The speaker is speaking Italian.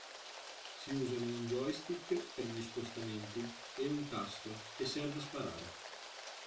Si usano un joystick, per gli spostamenti, e un tasto, che serve a sparare.